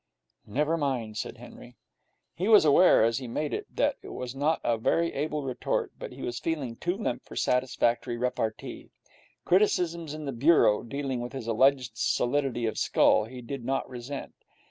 'Never mind,' said Henry. He was aware, as he made it, that it was not a very able retort, but he was feeling too limp for satisfactory repartee. Criticisms in the Bureau, dealing with his alleged solidity of skull, he did not resent.